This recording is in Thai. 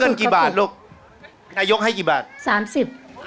นั่นแหละสิ